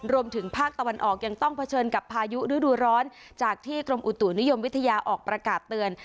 รวมถึงภาคตะวันออกยังต้องเผชิญกับพายุฤดูร้อนจากที่กรมอุตุนิยมวิทยาออกประกาศเตือน